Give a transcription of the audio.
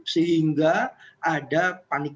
sehingga ada panitia